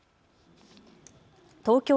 東京